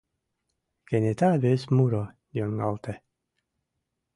Кенета вес муро йоҥгалте.